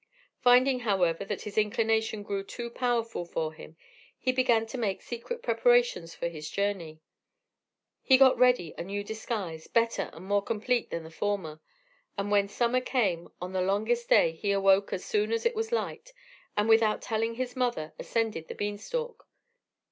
Finding, however, that his inclination grew too powerful for him, he began to make secret preparations for his journey. He got ready a new disguise, better and more complete than the former; and when summer came, on the longest day he awoke as soon as it was light, and without telling his mother, ascended the bean stalk.